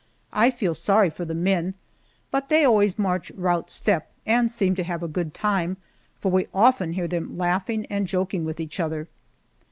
I feel sorry for the men, but they always march "rout" step and seem to have a good time, for we often hear them laughing and joking with each other.